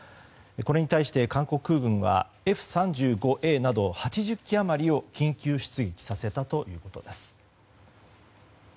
これに対して韓国空軍はＦ３５Ａなど８０機余りを緊急出撃させたということです。